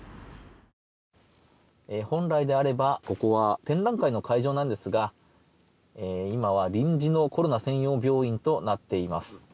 本来であればここは展覧会の会場なんですが今は臨時のコロナ専用病院となっています。